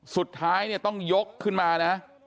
สุดท้ายเนี่ยต้องยกขึ้นมานะ